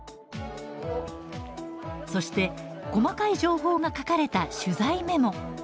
そして細かい情報が書かれた取材メモ。